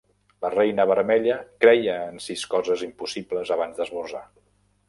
La Reina Vermella creia en sis coses impossibles abans d'esmorzar